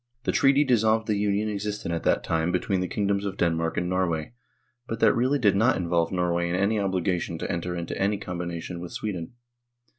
The treaty dissolved the Union existent at that time between the kingdoms of Denmark and Norway, but that really did not involve Norway in any obligation to enter into any combination with Sweden.